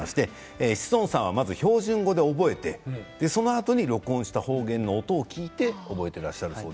志尊さんはまず標準語で覚えてその後に録音した方言の音を聞いて覚えている。